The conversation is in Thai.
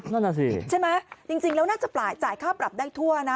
นั่นน่ะสิใช่ไหมจริงแล้วน่าจะจ่ายค่าปรับได้ทั่วนะ